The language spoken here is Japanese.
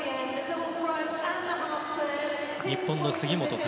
日本の杉本海